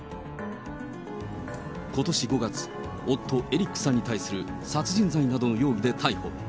ことし５月、夫、エリックさんに対する殺人罪などの容疑で逮捕。